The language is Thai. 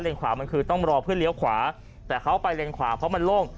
ขวามันคือต้องรอเพื่อเลี้ยวขวาแต่เขาไปเลนขวาเพราะมันโล่ง